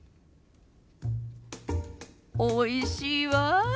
おいしいわあ。